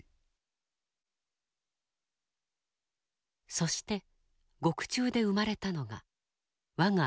そして獄中で生まれたのが「我が闘争」。